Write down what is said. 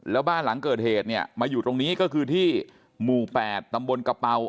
แล้วบ้านหลังเกิดเหตุเนี่ยมาอยู่ตรงนี้ก็คือที่หมู่๘ตำบลกระเป๋า